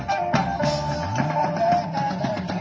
สวัสดีครับทุกคน